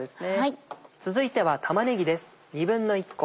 続いては玉ねぎです。